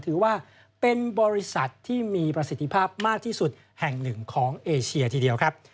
ถือว่าเป็นบริษัทที่มีประสิทธิภาพมากที่สุดแห่งหนึ่งของเอเชียทีเดียวครับ